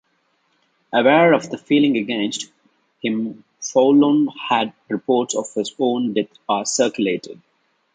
Aware of the feeling against him Foullon had reports of his own death circulated.